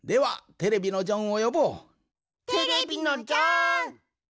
テレビのジョン。